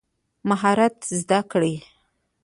مهارت زده کړئ